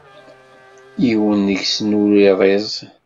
Yiwen deg-sen ur irriẓ.